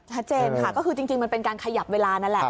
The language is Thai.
ชัดเจนค่ะก็คือจริงมันเป็นการขยับเวลานั่นแหละ